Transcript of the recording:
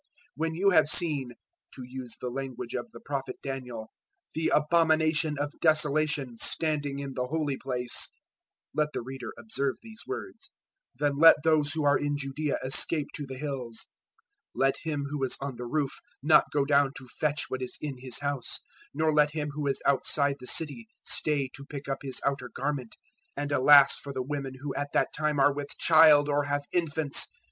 024:015 "When you have seen (to use the language of the Prophet Daniel) the `Abomination of Desolation', standing in the Holy Place" let the reader observe those words 024:016 "then let those who are in Judaea escape to the hills; 024:017 let him who is on the roof not go down to fetch what is in his house; 024:018 nor let him who is outside the city stay to pick up his outer garment. 024:019 And alas for the women who at that time are with child or have infants!